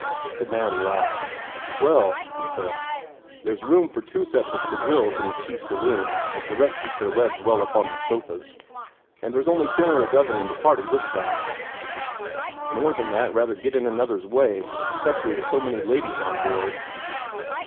The man laughed. "Well," he said, "there's room for two sets of quadrilles in the chief saloon, if the rest keep their legs well up on the sofas. But there's only ten or a dozen in the party this time. More than that rather get in one another's way, especially with so many ladies on board."